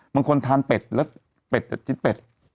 บางคนทานเป็ดแล้วเป็ดจิ้นเป็ด